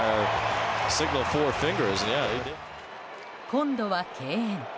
今度は敬遠。